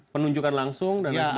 penunjukan langsung dan lain sebagainya